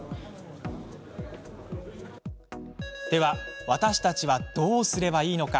では私たちはどうすればいいのか。